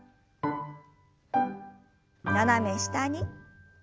斜め下に。